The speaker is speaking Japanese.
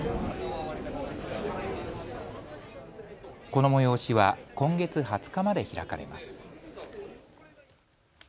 この催しは今月２０日まで開かれます。